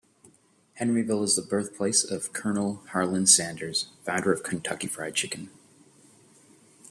Henryville is the birthplace of "Colonel" Harland Sanders, founder of Kentucky Fried Chicken.